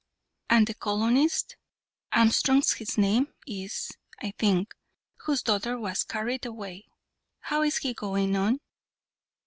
"And the colonist Armstrong his name is, I think, whose daughter was carried away how is he going on?"